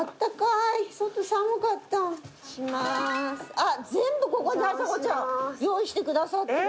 あっ全部ここであさこちゃん。用意してくださってる。